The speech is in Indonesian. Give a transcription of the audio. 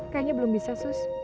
kayaknya belum bisa sus